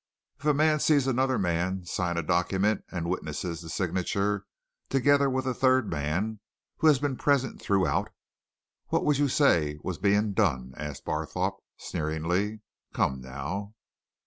"If a man sees another man sign a document and witnesses the signature together with a third man who had been present throughout, what would you say was being done?" asked Barthorpe, sneeringly. "Come, now?"